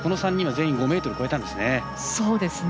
全員、５ｍ超えたんですね。